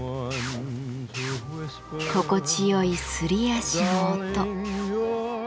心地よいすり足の音。